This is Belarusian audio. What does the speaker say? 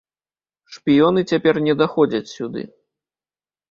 Шпіёны цяпер не даходзяць сюды.